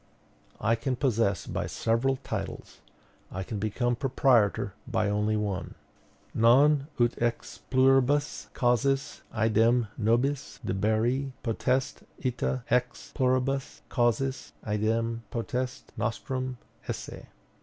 I can possess by several titles; I can become proprietor by only one Non ut ex pluribus causis idem nobis deberi potest, ita ex pluribus causis idem potest nostrum esse.